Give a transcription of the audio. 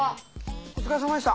お疲れさまでした。